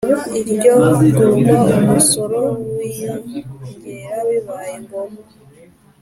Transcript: Iryo gurwa umusoro wiyongera bibaye ngombwa